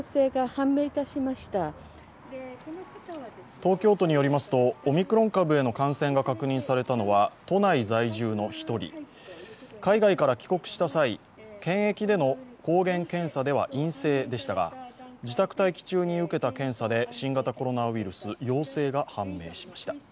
東京都によりますと、オミクロン株への感染が確認されたのは都内在住の１人、海外から帰国した際、検疫での抗原検査では陰性でしたが、自宅待機中に受けた検査で新型コロナウイルス陽性が判明しました。